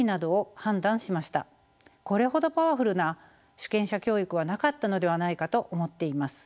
これほどパワフルな主権者教育はなかったのではないかと思っています。